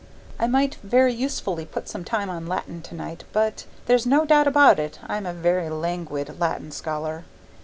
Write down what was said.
I might, very usefully, put some time on Latin tonight but, there's no doubt about it, I'm a very languid Latin scholar.